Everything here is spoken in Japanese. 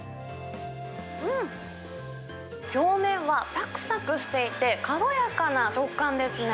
表面はさくさくしていて、軽やかな食感ですね。